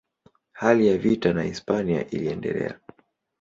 Hali ya vita na Hispania iliendelea.